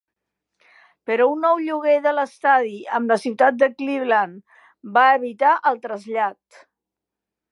Però un nou lloguer de l'estadi amb la ciutat de Cleveland va evitar el trasllat.